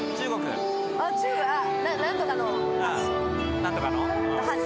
何とかの橋？